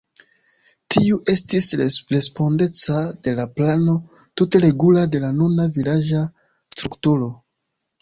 Tiu estis respondeca de la plano tute regula de la nuna vilaĝa strukturo.